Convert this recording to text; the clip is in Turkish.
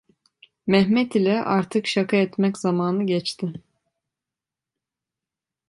Mehmet ile artık şaka etmek zamanı geçti.